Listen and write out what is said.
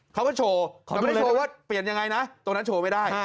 เขาก็โชว์เขาไม่ได้โชว์ว่าเปลี่ยนยังไงนะตรงนั้นโชว์ไม่ได้